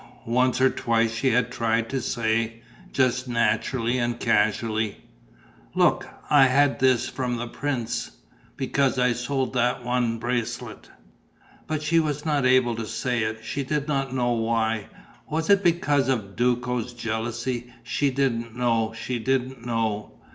Once or twice she had tried to say, just naturally and casually: "Look, I've had this from the prince, because I sold that one bracelet." But she was not able to say it, she did not know why. Was it because of Duco's jealousy? She didn't know, she didn't know.